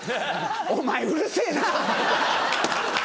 お前うるせぇな！